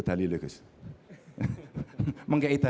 saya kira apa yang anda katakan pak